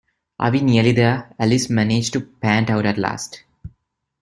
‘Are we nearly there?’ Alice managed to pant out at last.